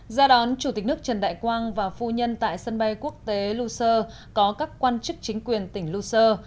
gia đón chủ tịch nước trần đại quang và phu nhân tại sân bay quốc tế luxur có các quan chức chính quyền tỉnh luxe